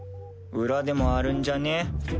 裏でもあるんじゃね？